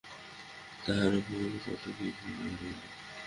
তাহার ওপর কত কী পড়িয়া রহিল।